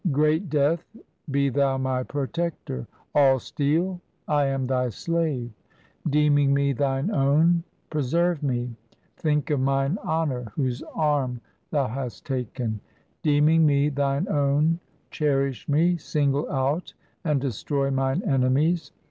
Great death, be Thou my protector ; All steel, I am Thy slave. Deeming me Thine own, preserve me ; Think of mine honour, whose arm Thou hast taken. Deeming me Thine own, cherish me, Single out and destroy mine enemies.